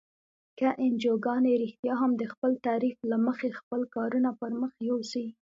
که انجوګانې رښتیا هم د خپل تعریف له مخې خپل کارونه پرمخ یوسي.